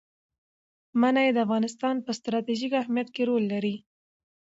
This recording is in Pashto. منی د افغانستان په ستراتیژیک اهمیت کې رول لري.